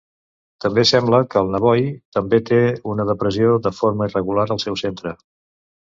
També sembla que el Navoi també té una depressió de forma irregular al seu centre.